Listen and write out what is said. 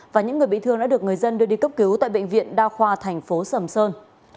và những người bị thương đã được người dân đưa đi cấp cứu tại bệnh viện đa khoa thành phố sầm sơn